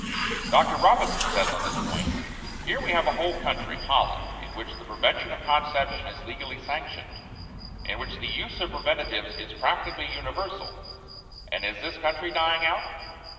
Dr. Robinson says on this point: "Here we have a whole country, Holland, in which the prevention of conception is legally sanctioned, in which the use of preventives is practically universal and is this country dying out?